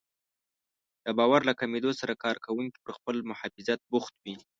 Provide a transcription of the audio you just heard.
د باور له کمېدو سره کار کوونکي پر خپل محافظت بوخت وي.